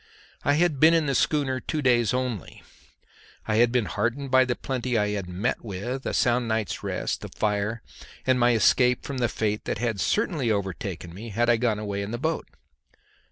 I had been in the schooner two days only; I had been heartened by the plenty I had met with, a sound night's rest, the fire, and my escape from the fate that had certainly overtaken me had I gone away in the boat.